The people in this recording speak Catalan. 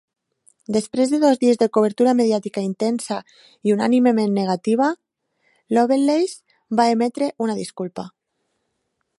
Després de dos dies de cobertura mediàtica intensa i unànimement negativa, Lovelace va emetre una disculpa.